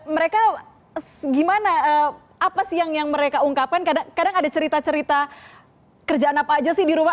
mereka gimana apa sih yang mereka ungkapkan kadang ada cerita cerita kerjaan apa aja sih di rumah